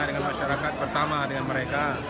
dengan masyarakat bersama dengan mereka